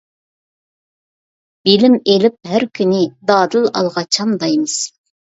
بىلىم ئېلىپ ھەر كۈنى، دادىل ئالغا چامدايمىز.